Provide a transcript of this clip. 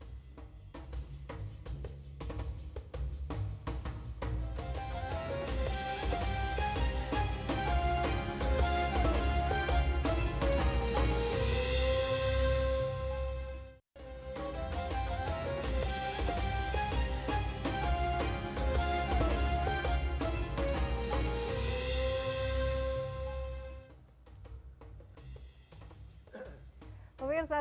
pobir saya terima kasih ya